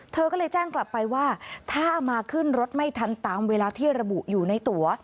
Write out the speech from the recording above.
เธอก็เลยแจ้งกลับไปว่าถ้ามาขึ้นรถไม่ทันตามเวลาที่ระบุอยู่ในตัว